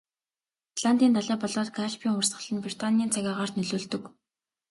Атлантын далай болоод Галфын урсгал нь Британийн цаг агаарт нөлөөлдөг.